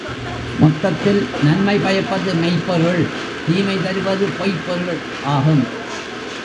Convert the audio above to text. மொத்தத்தில் நன்மை பயப்பது மெய்ப்பொருள் தீமை தருவது பொய்ப்பொருள் ஆகும்.